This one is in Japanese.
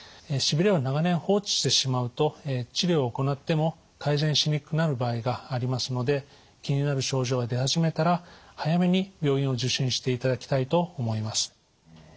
しびれを長年放置してしまうと治療を行っても改善しにくくなる場合がありますので気になる症状が出始めたら早めに病院を受診していただきたいと思います。